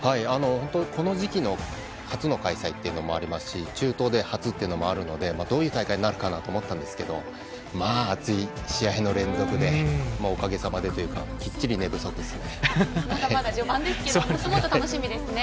この時期の初の開催というのもありますし中東で初というのもあるのでどういう大会になるかと思ったんですが熱い試合連続の連続でおかげさまでというかきっちり寝不足ですね。